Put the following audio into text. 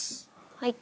はい。